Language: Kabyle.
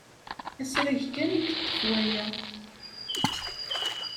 Asrag kan i yeṭṭef waya.